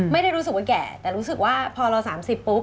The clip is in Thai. ไม่ได้รู้สึกว่าแก่แต่รู้สึกว่าพอเรา๓๐ปุ๊บ